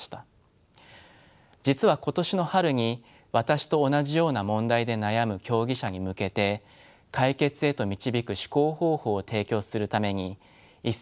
実は今年の春に私と同じような問題で悩む競技者に向けて解決へと導く思考方法を提供するために一冊の本を書きました。